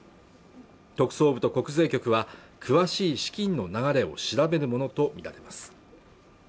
特捜部と国税局は詳しい資金の流れを調べるものと見られます